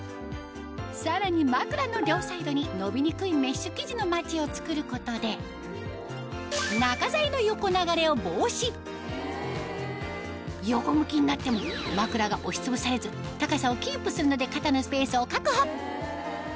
さらに枕の両サイドにのマチを作ることで横向きになっても枕が押しつぶされず高さをキープするので肩のスペースを確保